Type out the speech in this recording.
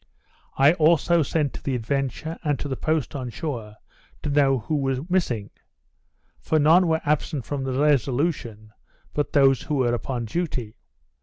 I also sent to the Adventure, and to the post on shore, to know who were missing; for none were absent from the Resolution but those who were upon duty.